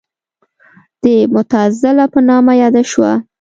د معتزله په نامه یاده شوه.